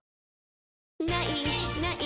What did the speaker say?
「ない！ない！